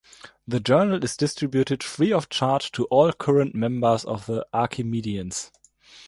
The journal is distributed free of charge to all current members of the Archimedeans.